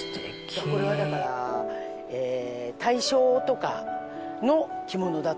これはだから大正とかの着物だと思うんですよね。